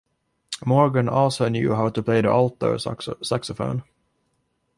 Morgan also knew how to play the alto saxophone.